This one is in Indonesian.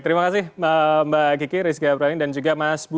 terima kasih mbak kiki rizky abrani dan juga mas budi